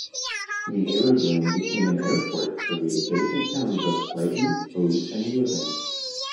The aerodrome became an airport for the adjacent towns of Brighton, Hove and Worthing.